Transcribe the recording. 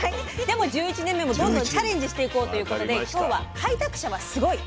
でも１１年目もどんどんチャレンジしていこうということで今日は「開拓者はスゴイ！」。